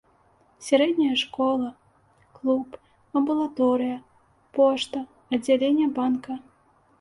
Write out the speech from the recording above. Сярэдняя школа, клуб, амбулаторыя, пошта, аддзяленне банка.